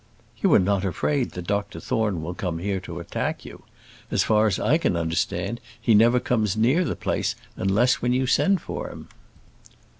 "You are not afraid that Dr Thorne will come here to attack you? As far as I can understand, he never comes near the place, unless when you send for him."